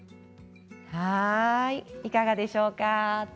いかがでしょうか。